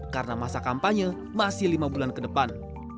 karena masa kampanye masih lima bulan ke depan